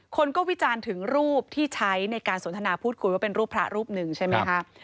คนก็วิจารณ์ถึงรูปที่ใช้ในการสนทนาพูดคุยว่าเป็นรูปพระรูปหนึ่งใช่ไหมคะ